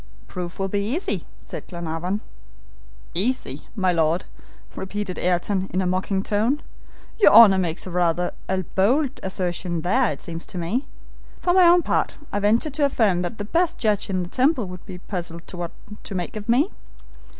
"Proof will be easy," said Glenarvan. "Easy, my Lord," repeated Ayrton, in a mocking tone. "Your honor makes rather a bold assertion there, it seems to me. For my own part, I venture to affirm that the best judge in the Temple would be puzzled what to make of me.